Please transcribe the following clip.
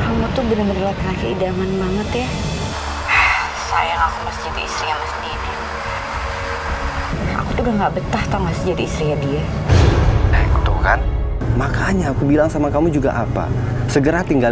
kamu tuh bener bener laki laki idaman banget ya